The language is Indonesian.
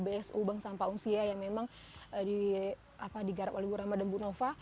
bsu bank sampah usia yang memang digarap oleh ibu rama dan bu nova